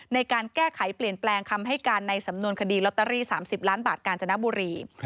ในการแก้ไขเปลี่ยนแปลงคำให้การในสำนวนคดีลอตเตอรี่๓๐ล้านบาทกาญจนบุรี